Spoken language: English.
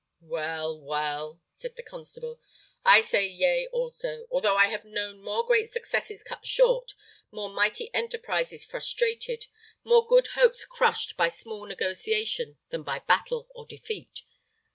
"Well, well," said the constable, "I say yea also, although I have known more great successes cut short, more mighty enterprises frustrated, more good hopes crushed by small negotiation than by battle or defeat.